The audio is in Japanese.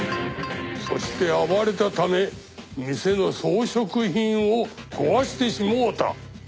そして暴れたため店の装飾品を壊してしもうた。